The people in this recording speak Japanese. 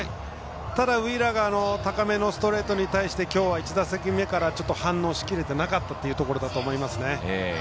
ただウィーラーが高めのストレートに対してきょうは１打席目から反応しきれていなかったというところだと思いますね。